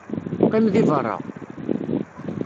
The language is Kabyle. Qqim deg beṛṛa!